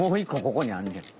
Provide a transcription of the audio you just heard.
ここにあんねん。